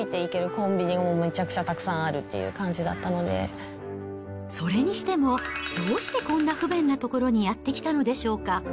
コンビニも、めちゃくちゃたくさんあるそれにしても、どうしてこんな不便な所にやって来たのでしょうか。